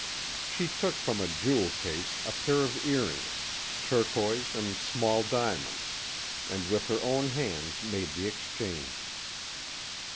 She took from a jewel case a pair of earrings, turquoise and small diamonds, and with her own hands made the exchange.